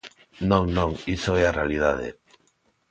Non, non, iso é a realidade.